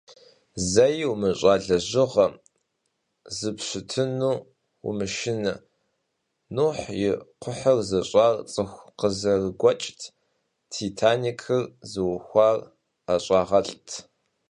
Зэи умыщӏа лэжьыгъэм зупщытыну умышынэ: Нухь и кхъухьыр зыщӏар цӏыху къызэрыгуэкӏт, «Титаникыр» зыухуар ӏэщӏагъэлӏт.